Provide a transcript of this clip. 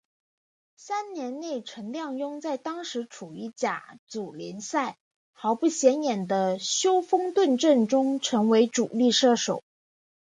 三年内陈亮镛在当时处于甲组联赛豪不显眼的修咸顿阵中成为主力射手。